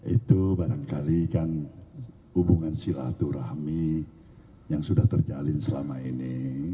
itu barangkali kan hubungan silaturahmi yang sudah terjalin selama ini